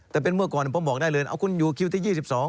แต่เป็นเมื่อก่อนผมบอกได้เลยเอาคุณอยู่คิวที่๒๒